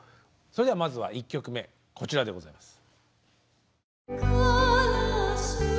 それではまずは１曲目こちらでございます。